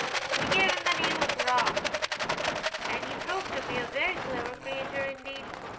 She gave him the name of " Ralph,"and he proved to be a very clever creature indeed.